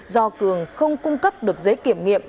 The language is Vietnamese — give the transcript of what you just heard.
do cường không cung cấp được giấy kiểm nghiệm